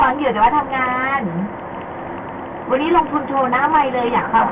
ฟังเหตุว่าทำงานวันนี้ลงทุนโทรน่าใหม่เลยอยากคามคิด